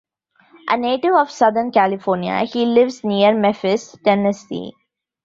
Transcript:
A native of Southern California, he lives near Memphis, Tennessee.